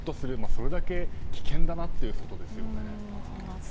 それだけ危険だってことですよね。